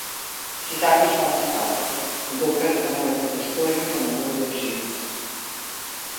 Си запишал на стаклото, доказ за моето постоење во неговиот живот.